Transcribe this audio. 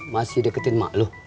masih deketin emak lu